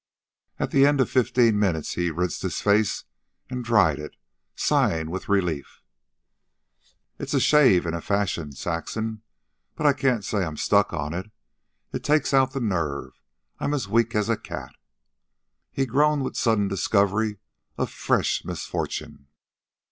At the end of fifteen minutes he rinsed his face and dried it, sighing with relief. "It's a shave, in a fashion, Saxon, but I can't say I'm stuck on it. It takes out the nerve. I'm as weak as a cat." He groaned with sudden discovery of fresh misfortune.